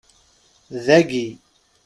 Dagi.